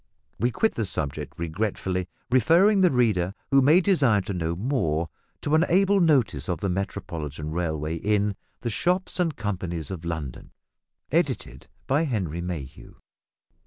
We quit the subject regretfully; referring the reader, who may desire to know more, to an able notice of the Metropolitan Railway in "The Shops and Companies of London," edited by Henry Mayhew.